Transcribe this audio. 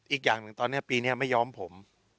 อีกอย่างตอนนี้ปีนี้ไม่ย้อมผม